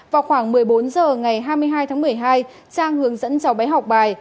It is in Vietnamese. vào khoảng một mươi bốn h ngày hai mươi hai tháng một mươi hai trang hướng dẫn cháu bé học bài